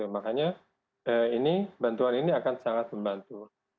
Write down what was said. makanya bantuan ini akan sangat membantu